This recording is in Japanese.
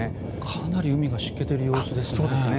かなり海がしけている様子ですね。